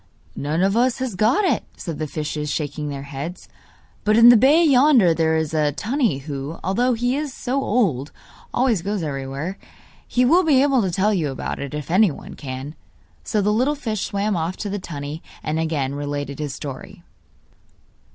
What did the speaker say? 'None of us has got it,' said the fishes, shaking their heads; 'but in the bay yonder there is a tunny who, although he is so old, always goes everywhere. He will be able to tell you about it, if anyone can.' So the little fish swam off to the tunny, and again related his story.